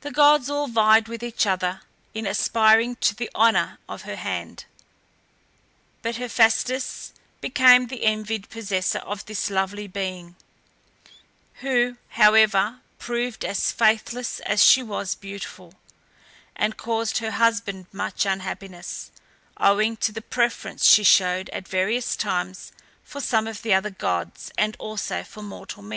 The gods all vied with each other in aspiring to the honour of her hand, but Hephæstus became the envied possessor of this lovely being, who, however, proved as faithless as she was beautiful, and caused her husband much unhappiness, owing to the preference she showed at various times for some of the other gods and also for mortal men.